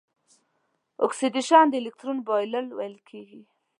اکسیدیشن د الکترون بایلل ویل کیږي.